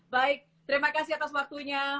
baik terima kasih atas waktunya